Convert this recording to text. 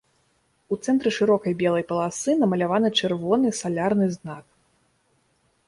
У цэнтры шырокай белай паласы намаляваны чырвоны салярны знак.